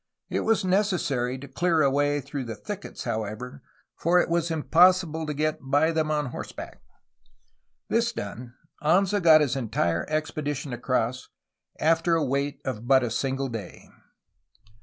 It was necessary to clear a way through the thickets, however, for it was impossible to get by them on horseback. This done, Anza got his entire expedition across, after a wait of but a single day.